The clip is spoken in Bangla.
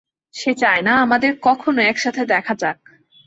সে চায় না আমাদের কখনো একসাথে দেখা যাক।